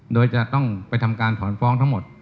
โดยจะต้องไปทำการถอนฟ้องทั้งหมด